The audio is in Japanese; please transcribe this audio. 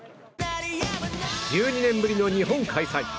１２年ぶりの日本開催。